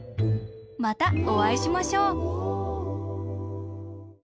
またおあいしましょう。